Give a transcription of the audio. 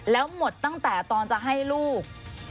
แล้วหมดตั้งแต่ตอนจะให้ลูก